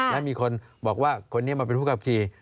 แล้วมีคนบอกว่าคนนี้มาเป็นผู้ขับขี่